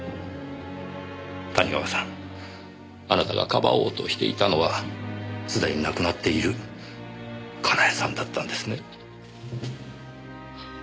谷川さんあなたがかばおうとしていたのはすでに亡くなっている佳苗さんだったんですね？